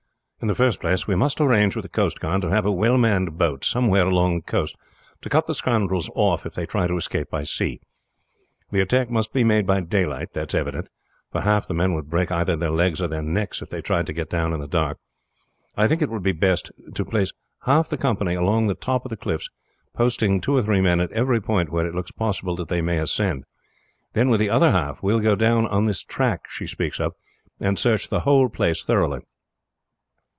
"In the first place we must arrange with the coast guard to have a well manned boat somewhere along the coast to cut the scoundrels off if they try to escape by sea. The attack must be made by daylight, that is evident, for half the men would break either their legs or their necks if they tried to get down in the dark. I think it will be best to place half the company along the top of the cliffs, posting two or three men at every point where it looks possible that they may ascend, then with the other half we will go down on this track she speaks of and search the whole place thoroughly.